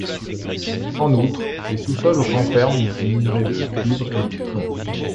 En outre, les sous-sols renferment du minerai de cuivre et du plomb.